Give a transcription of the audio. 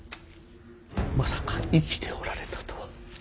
まさか生きておられたとは。